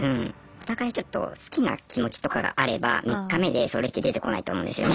お互いちょっと好きな気持ちとかがあれば３日目でそれって出てこないと思うんですよね。